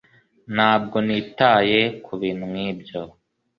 Ntabwo nitaye kubintu nkibyo.